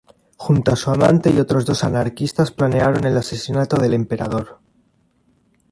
Junto a su amante y otros dos anarquistas planearon el asesinato del Emperador.